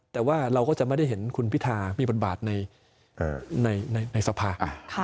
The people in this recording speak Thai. แต่ว่าเราก็จะไม่ได้เห็นคุณพิธามีบทบาทในสภา